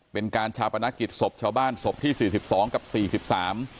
เป็นการชาปนกิจศพชาวบ้านศพที่สี่สิบสองกับสี่สิบสาม